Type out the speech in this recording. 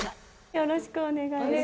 よろしくお願いします